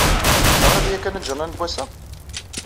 Teɣriḍ yakan ajernan n wassa?